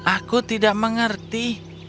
aku tidak mengerti